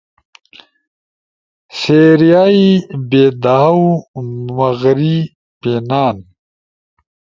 سیرئیائی بیدھاؤ، مغری پینان